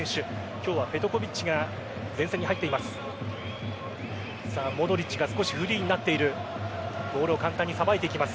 今日はペトコヴィッチが前線に入っています。